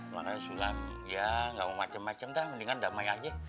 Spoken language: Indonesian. makanya sulam ya nggak mau macem macem mendingan damai aja